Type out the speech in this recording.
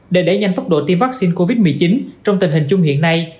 để đẩy nhanh tốc độ tiêm vaccine covid một mươi chín trong tình hình chung hiện nay